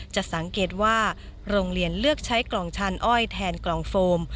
จะสังเกตว่าโรงเรียนเลือกใช้กล่องชานอ้อยแทนกล่องโฟม